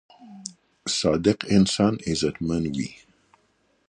صادق انسان عزتمن وي.